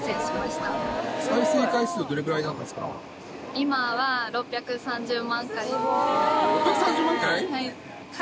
今は６３０万回！？